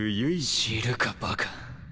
知るかバカ。